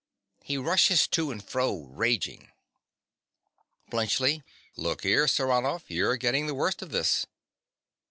(He rushes to and fro, raging.) BLUNTSCHLI. Look here, Saranoff; you're getting the worst of this.